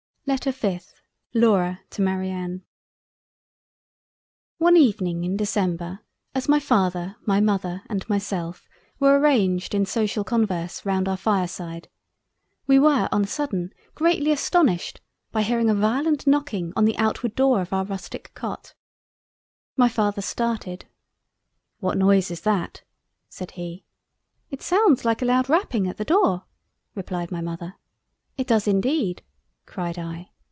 LETTER 5th LAURA to MARIANNE One Evening in December as my Father, my Mother and myself, were arranged in social converse round our Fireside, we were on a sudden greatly astonished, by hearing a violent knocking on the outward door of our rustic Cot. My Father started—"What noise is that," (said he.) "It sounds like a loud rapping at the door"—(replied my Mother.) "it does indeed." (cried I.)